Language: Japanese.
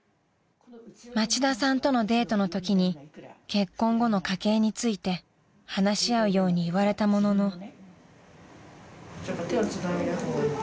［町田さんとのデートのときに結婚後の家計について話し合うように言われたものの］